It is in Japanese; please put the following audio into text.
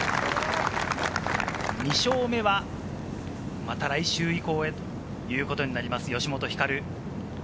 ２勝目はまた来週以降ということになります、吉本ひかる。